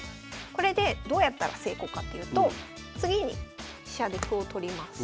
これでどうやったら成功かっていうと次に飛車で歩を取ります。